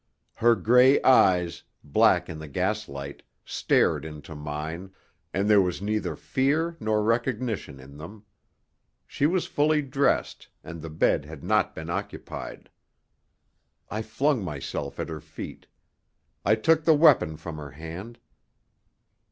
Her grey eyes, black in the gas light, stared into mine, and there was neither fear nor recognition in them. She was fully dressed, and the bed had not been occupied. I flung myself at her feet. I took the weapon from her hand.